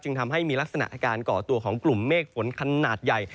ทำให้มีลักษณะการก่อตัวของกลุ่มเมฆฝนขนาดใหญ่